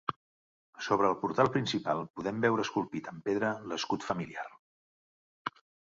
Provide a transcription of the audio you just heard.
Sobre el portal principal podem veure esculpit amb pedra l'escut familiar.